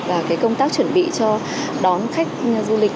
và công tác chuẩn bị cho đón khách du lịch